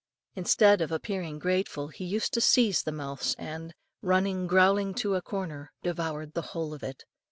Instead of appearing grateful, he used to seize the mouse and, running growling to a corner, devour the whole of it.